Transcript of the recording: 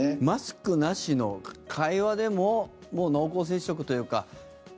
マスクなしの会話でももう濃厚接触というか。